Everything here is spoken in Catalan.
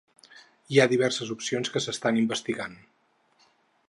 Hi ha diverses opcions que s’estan investigant.